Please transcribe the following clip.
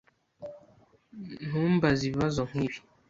Ntumbaze ibibazo nkibi.